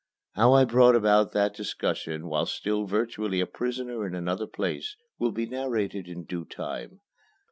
How I brought about that discussion while still virtually a prisoner in another place will be narrated in due time.